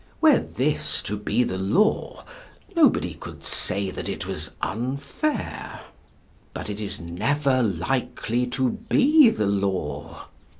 Were this to be the law nobody could say that it was unfair; but it is never likely to be the law.